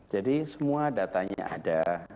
jadi semua datanya ada